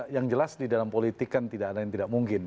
yang jelas di dalam politik kan tidak ada yang tidak mungkin